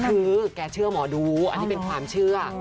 คือแกเชื่อหมอดูอันนี้เป็นความเชื่อ